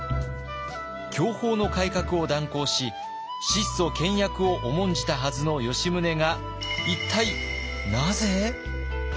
享保の改革を断行し質素倹約を重んじたはずの吉宗が一体なぜ？